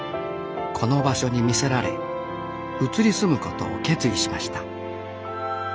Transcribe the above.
この場所に魅せられ移り住むことを決意しました